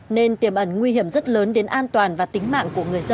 nên tiềm ẩn nguy hiểm rất lớn đến an toàn và tính mạng của người dân